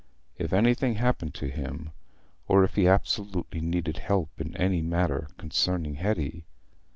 If anything happened to him? Or, if he absolutely needed help in any matter concerning Hetty?